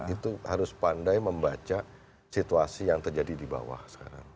itu harus pandai membaca situasi yang terjadi di bawah sekarang